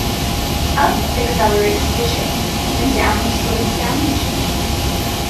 Up accelerates the ship and down slows down the ship.